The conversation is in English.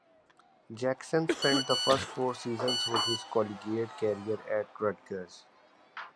Jackson spent the first four seasons of his collegiate career at Rutgers.